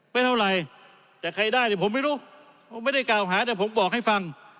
เป็นเท่าไรแต่ใครได้ผมไม่รู้ไม่ได้กล่าวหาแต่ผมบอกให้ฟัง